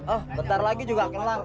oh bentar lagi juga kelar